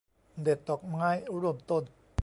เด็ดดอกไม้ร่วมต้น